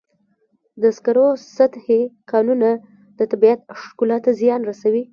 د سکرو سطحي کانونه د طبیعت ښکلا ته زیان رسوي.